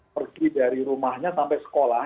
pergi dari rumahnya sampai sekolah